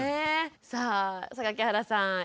さあ榊原さん